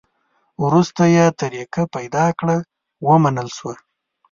وروسته یې طریقه پیدا کړه؛ ومنل شوه.